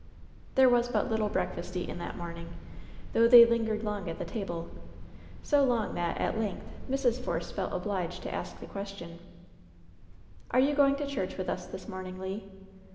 There was but little breakfast eaten that morning, though they lingered long at the table — so long that, at length, Mrs. Force felt obliged to ask the question : "Are you going to church with us this morning, Le ?'